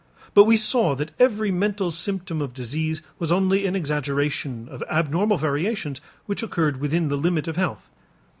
But we saw that every mental symptom of disease was only an exaggeration of abnormal variations which occurred within the limit of health.